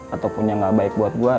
ataupun yang gak baik buat gue